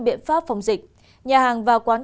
biện pháp phòng dịch nhà hàng và quán